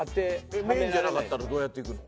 メインじゃなかったらどうやっていくの？